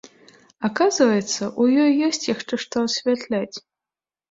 Аказваецца, у ёй ёсць яшчэ што асвятляць.